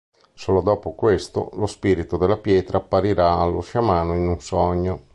Solo dopo questo lo spirito della pietra apparirà allo sciamano in un sogno.